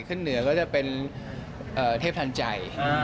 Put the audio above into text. ขึ้นเหนือก็จะเป็นเทพทันใจ